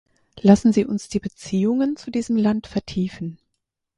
Lassen Sie uns die Beziehungen zu diesem Land vertiefen.